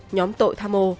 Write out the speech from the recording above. nhóm tội tham mô